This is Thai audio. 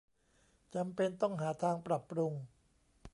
จำเป็นต้องหาทางปรับปรุง